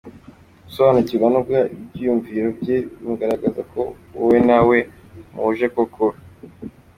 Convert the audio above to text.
Gusobanukirwa no guha ibyiyumviro bye bimugaragariza ko wowe na we muhuje koko.